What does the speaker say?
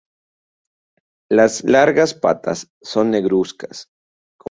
Las largas patas son negruzcas.